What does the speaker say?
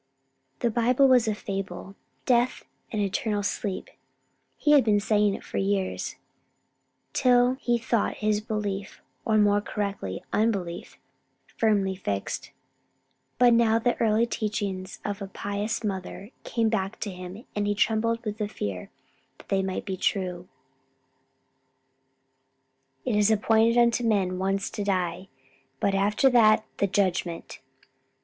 The Bible was a fable; death an eternal sleep; he had been saying it for years, till he thought his belief or more correctly unbelief firmly fixed: but now the early teachings of a pious mother came back to him and he trembled with the fear that they might be true. "It is appointed unto men once to die, but after that the judgment."